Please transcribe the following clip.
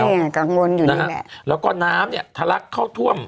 นี่ค่ะกลางบนอยู่นี่แหละนะฮะแล้วก็น้ำเนี่ยทะลักเข้าท่วม